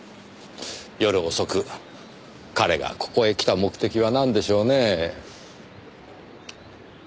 夜遅く彼がここへ来た目的はなんでしょうねえ？